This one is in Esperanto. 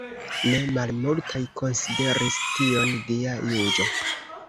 Ne malmultaj konsideris tion dia juĝo.